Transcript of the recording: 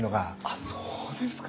あっそうですか。